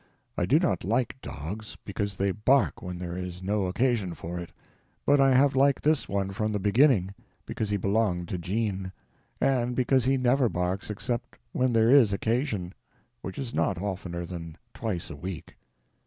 I do not like dogs, because they bark when there is no occasion for it; but I have liked this one from the beginning, because he belonged to Jean, and because he never barks except when there is occasion—which is not oftener than twice a week.